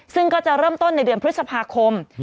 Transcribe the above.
ซึ่งก็จะเริ่มต้นในเดือนพฤษภาคม